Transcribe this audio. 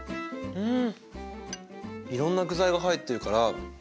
うん。